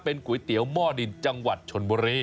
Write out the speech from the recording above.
ก๋วยเตี๋ยวหม้อดินจังหวัดชนบุรี